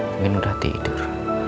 mungkin udah tidur